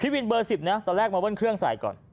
วินเบอร์๑๐นะตอนแรกมาเบิ้ลเครื่องใส่ก่อน